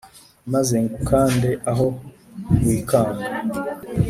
maze ngukande aho wikanga